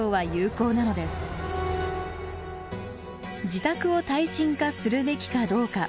自宅を耐震化するべきかどうか。